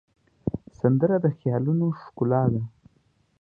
سندره د خیالونو ښکلا ده